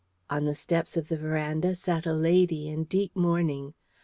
On the steps of the verandah sat a lady in deep mourning.